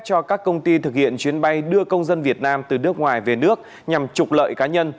cho các công ty thực hiện chuyến bay đưa công dân việt nam từ nước ngoài về nước nhằm trục lợi cá nhân